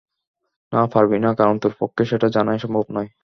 না, পারবি না কারণ তোর পক্ষে সেটা জানাই সম্ভব নয়।